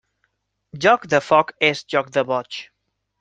Joc de foc és joc de boig.